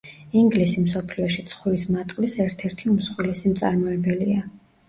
ინგლისი მსოფლიოში ცხვრის მატყლის ერთ-ერთი უმსხვილესი მწარმოებელია.